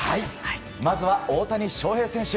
まずは大谷翔平選手。